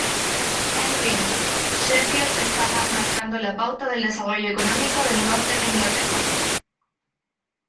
En fin, Sheffield estaba marcando la pauta del desarrollo económico del norte de Inglaterra.